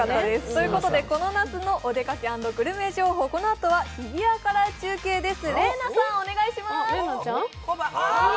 ということでこの夏のお出かけ＆グルメ情報、このあとは日比谷から中継です。